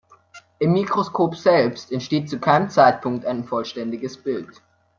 Im Mikroskop selbst entsteht zu keinem Zeitpunkt ein vollständiges Bild.